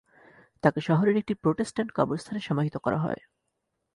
তাকে শহরের একটি প্রোটেস্ট্যান্ট কবরস্থানে সমাহিত করা হয়।